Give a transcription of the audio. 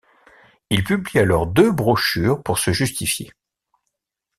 Il publie alors deux brochures pour se justifier.